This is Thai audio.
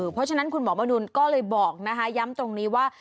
เพราะฉะนั้นคุณหมอมนุนก็เลยบอกนะคะย้ำตรงนี้ว่า